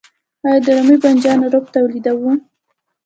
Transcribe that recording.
آیا د رومي بانجان رب تولیدوو؟